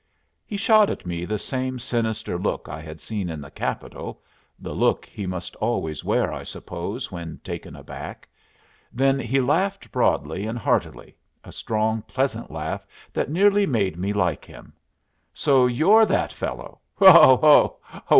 He shot at me the same sinister look I had seen in the Capitol, the look he must always wear, I suppose, when taken aback. Then he laughed broadly and heartily, a strong pleasant laugh that nearly made me like him. "So you're that fellow! Ho, ho!